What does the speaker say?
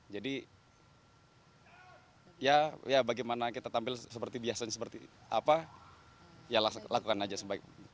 jadi ya bagaimana kita tampil seperti biasa seperti apa ya lakukan aja sebaik